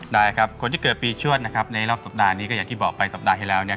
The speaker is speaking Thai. ได้ครับคนที่เกิดปีชวดนะครับในรอบสัปดาห์นี้ก็อย่างที่บอกไปสัปดาห์ที่แล้วเนี่ย